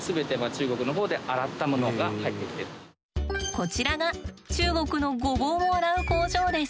こちらが中国のごぼうを洗う工場です。